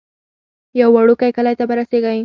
یو وړوکی کلی ته به رسیږئ.